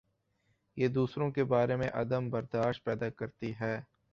یہ دوسروں کے بارے میں عدم بر داشت پیدا کر تی ہے۔